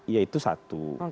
ya itu satu